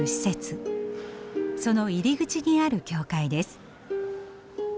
その入り口にある教会です。